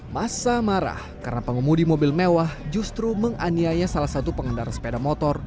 masa marah karena pengemudi mobil mewah justru menganiaya salah satu pengendara sepeda motor